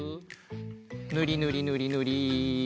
ぬりぬりぬりぬり。